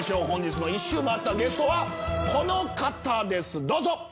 本日の１周回ったゲストはこの方です、どうぞ。